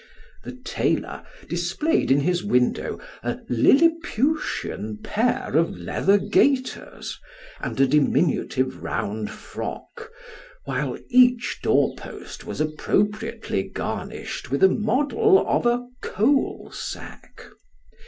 The tailor displayed in his window a Lilliputian pair of leather gaiters, and a diminutive round frock, while each doorpost was appropriately garnished with a model of a coal sack.